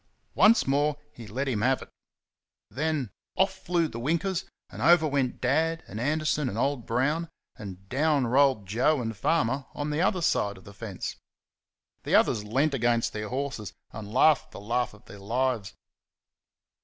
Once more he let him have it. Then off flew the winkers, and over went Dad and Anderson and old Brown, and down rolled Joe and Farmer on the other side of the fence. The others leant against their horses and laughed the laugh of their lives.